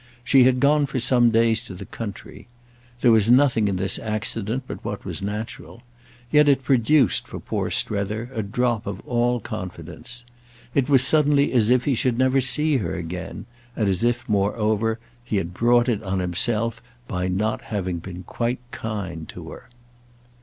She had gone for some days to the country. There was nothing in this accident but what was natural; yet it produced for poor Strether a drop of all confidence. It was suddenly as if he should never see her again, and as if moreover he had brought it on himself by not having been quite kind to her.